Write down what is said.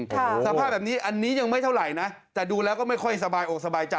สภาพแบบนี้อันนี้ยังไม่เท่าไหร่นะแต่ดูแล้วก็ไม่ค่อยสบายอกสบายใจ